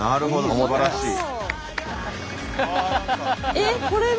えっこれも？